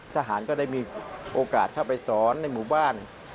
ทหารก็ได้มีโอกาสเข้าไปสอนในหมู่บ้าน